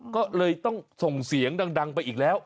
ก็เลยต้องส่งเสียงดังไปอีกแล้ว